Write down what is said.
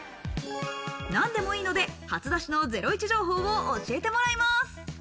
何でもいいので、初出しのゼロイチ情報を教えてもらいます。